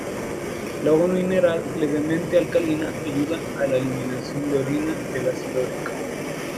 El agua mineral levemente alcalina ayuda a la eliminación por orina del ácido úrico.